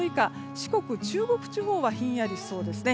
四国、中国地方はひんやりしそうですね。